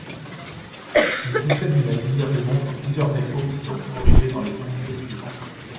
Les essais du navire demontrent plusieurs défauts qui seront corrigés dans les unités suivantes.